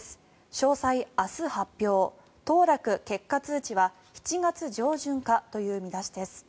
詳細、明日発表当落結果通知は７月上旬かという見出しです。